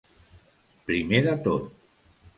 Primer de tot.